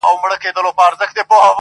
خدای دي درکړۍ عوضونه مومنانو٫